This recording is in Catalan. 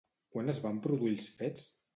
Quan es van produir els fets?